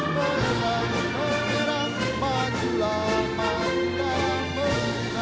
pemenangan peleg dan pilpres dua ribu dua puluh empat